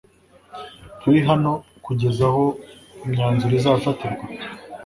Nturi hano kugeza aho imyanzuro izafatirwa?